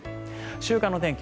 週間の天気